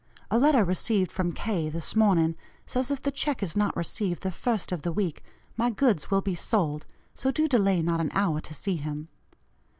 A letter received from K. this morning says if the check is not received the first of the week, my goods will be sold so do delay not an hour to see him.